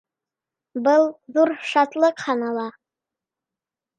Был ҙур шатлыҡ һанала.